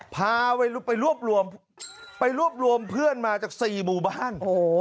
พาไปรวบรวมเพื่อนมาจาก๔บุบ้าน